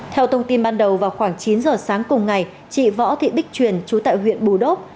theo thông tin ban đầu vào khoảng chín giờ sáng cùng ngày chị võ thị bích truyền chú tại huyện bù đốc